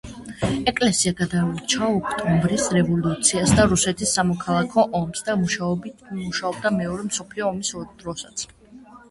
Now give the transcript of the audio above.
ეკლესია გადაურჩა ოქტომბრის რევოლუციას და რუსეთის სამოქალაქო ომს და მუშაობდა მეორე მსოფლიო ომის დროსაც.